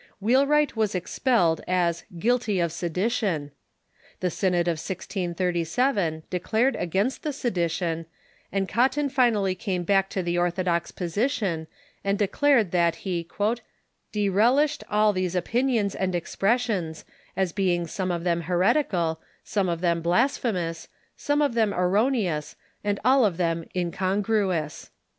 Wheelwright was expelled as "guilty of sedition." The Synod of 1637 declared against the sedition, and Cotton finally came back to the orthodox position, and declared that he " disrelished all these opinions and expressions, as being some of them heretical, some of them blasphemous, some of them erroneous, and all of them incongruous."